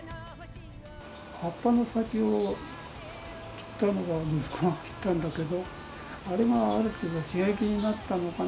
葉っぱの先を息子が切ったんだけど、あれがある程度、刺激になったのかな。